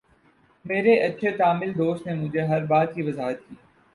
میرے اچھے تامل دوست نے مجھے ہر بات کی وضاحت کی